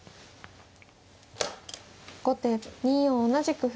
後手２四同じく歩。